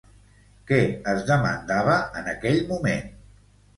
Què es demandava, en aquell moment?